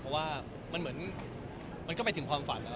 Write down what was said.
เพราะว่ามันเหมือนมันก็ไปถึงความฝัน